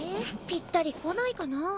ぴったりこないかなぁ。